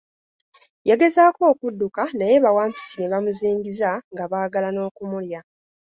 Yagezaako okudduka naye bawampisi ne bamuzingiza nga baagala n'okumulya.